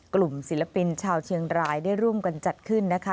กลุ่มศิลปินชาวเชียงรายได้ร่วมกันจัดขึ้นนะคะ